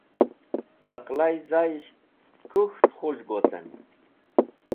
Z̃aqlai Zaisht kuk̃ht Khuz̃hg Wocen